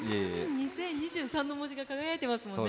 ２０２３の文字が輝いてますもんね。